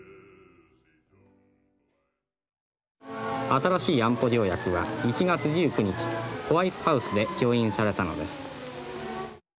「新しい安保条約は１月１９日ホワイトハウスで調印されたのです」。